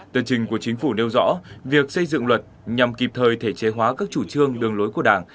tờ trình của chính phủ nêu rõ việc xây dựng luật nhằm kịp thời thể chế hóa các chủ trương đường lối của đảng